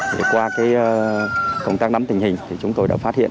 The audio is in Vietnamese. thì qua công tác nắm tình hình thì chúng tôi đã phát hiện